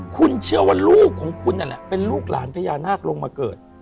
คุณเชื่อว่าลูกของคุณนั่นแหละเป็นลูกหลานพญานาคลงมาเกิด